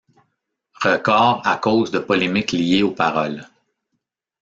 Records à cause de polémiques liées aux paroles.